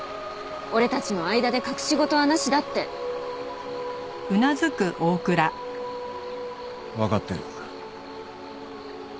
「俺たちの間で隠し事はなしだ」って。わかってる。